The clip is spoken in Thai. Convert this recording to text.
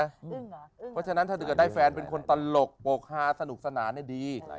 เพราะฉะนั้นถ้าเกิดได้แฟนเป็นคนตลกโปรกฮาสนุกสนานดี